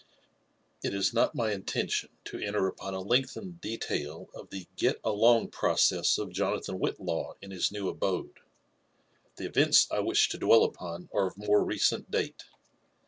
It is not my intention to enter upon a lengthened detail of Ihe '^ get along" process of JonalhanWhillaw in his new abode : theeyenlsl wish to dwell upon are of more recent date.